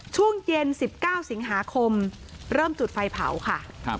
ช่วงเย็น๑๙สิงหาคมเริ่มจุดไฟเผาค่ะ